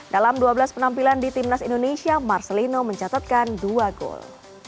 dalam dua belas penampilan di timnas indonesia marcelino mencatatkan dua gol